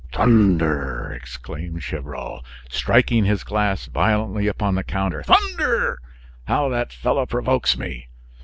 "Thunder!" exclaimed Gevrol, striking his glass violently upon the counter. "Thunder! how that fellow provokes me!